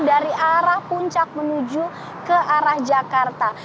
dari arah puncak menuju ke arah jakarta